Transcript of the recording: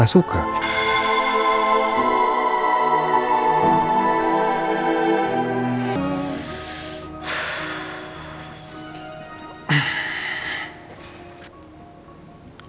saya sudah berjaga jaga